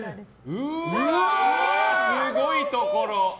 すごいところ！